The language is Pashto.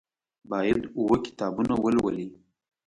باید اووه کتابونه ولولي.